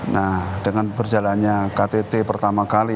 nah dengan berjalannya ktt pertama kali